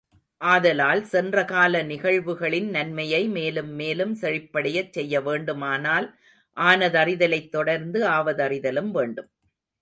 ஆதலால், சென்றகால நிகழ்வுகளின் நன்மையை மேலும் மேலும் செழிப்படையச் செய்யவேண்டுமானால் ஆனதறிதலைத் தொடர்ந்து ஆவதறிதலும் வேண்டும்.